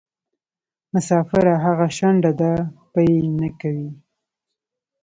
مسافره هغه شڼډه ده پۍ نکوي.